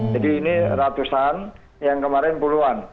jadi ini ratusan yang kemarin puluhan